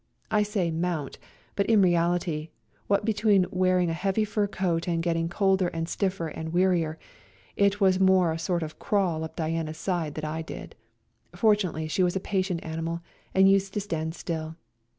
I say " mount," but in reahty^ what between wearing a heavy fur coat and getting colder and stiffer and wearier, it was more a sort of crawl up Diana's side that I did ; fortunately she was a patient animal, and used to stand still.